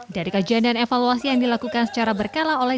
dari kajian dan evaluasi yang dilakukan secara berkala oleh